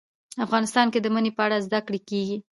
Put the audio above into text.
افغانستان کې د منی په اړه زده کړه کېږي.